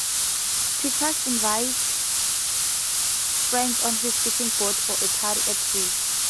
Peter invites his friends on his fishing boat for a party at sea.